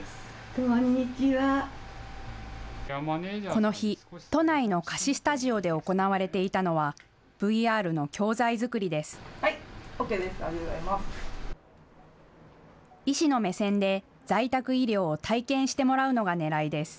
この日、都内の貸しスタジオで行われていたのはＶＲの教材作りです。